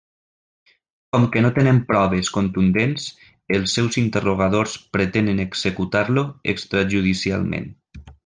Com que no tenen proves contundents, els seus interrogadors pretenen executar-lo extrajudicialment.